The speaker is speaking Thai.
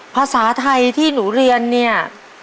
ภาษาไทยที่หนูเรียนเนี่ย